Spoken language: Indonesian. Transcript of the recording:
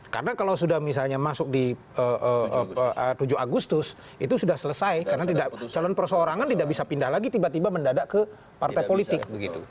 karena kalau sudah misalnya masuk di tujuh agustus itu sudah selesai karena calon perseorangan tidak bisa pindah lagi tiba tiba mendadak ke partai politik